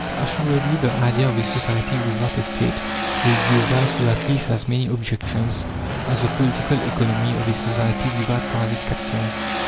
Assuredly the idea of a society without a State will give rise to at least as many objections as the political economy of a society without private capital.